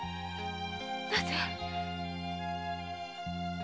なぜ？